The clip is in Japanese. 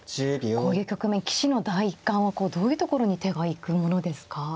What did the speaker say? こういう局面棋士の第一感はどういうところに手が行くものですか。